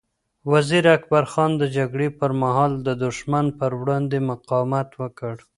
وزیر اکبر خان د جګړې پر مهال د دښمن پر وړاندې مقاومت وکړ.